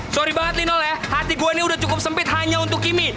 sorry banget linol ya hati gue ini udah cukup sempit hanya untuk kimmy